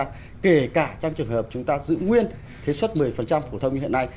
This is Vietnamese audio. là kể cả trong trường hợp chúng ta giữ nguyên thế suất một mươi phổ thông như hiện nay